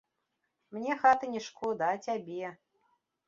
Мне хаты не шкода, а цябе.